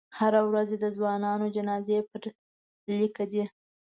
هره ورځ یې د ځوانانو جنازې په لیکه دي.